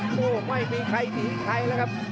โอ้โหไม่มีใครหนีใครแล้วครับ